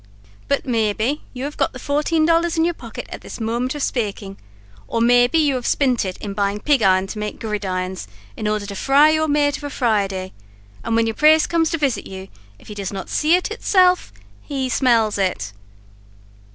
But, maybe, you have got the fourteen dollars in your pocket at this moment of spaking; or maybe you have spint it in buying pig iron to make gridirons, in order to fry your mate of a Friday; and when your praste comes to visit you, if he does not see it itself, he smells it.